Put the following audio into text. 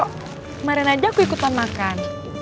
kemarin aja aku ikutan makan